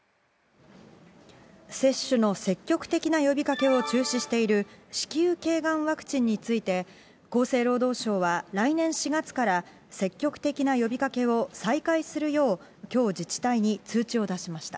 接種の積極的な呼びかけを中止している子宮けいがんワクチンについて、厚生労働省は来年４月から、積極的な呼びかけを再開するよう、きょう自治体に通知を出しました。